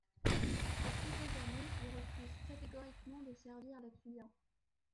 Depuis des années, il refuse catégoriquement de servir les clients.